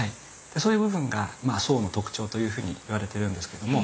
でそういう部分が宋の特徴というふうにいわれているんですけども。